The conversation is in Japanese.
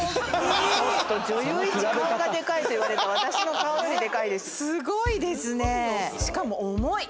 女優一顔がでかいといわれた私の顔よりでかいです。